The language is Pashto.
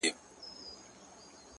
را سهید سوی ـ ساقي جانان دی ـ